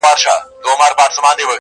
استادان او شاگردان یې دهقانان کړل -